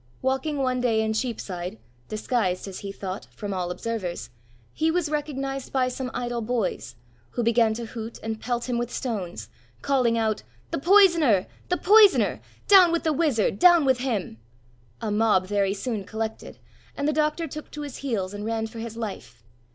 Walking one day in Cheapside, disguised, as he thought, from all observers, he was recognised by some idle boys, who began to hoot and pelt him with stones, calling out, "The poisoner! the poisoner! Down with the wizard! down with him!" A mob very soon collected, and the doctor took to his heels and ran for his life.